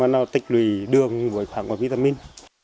hoặc là nào tịch lùi đường với phản quả vitamin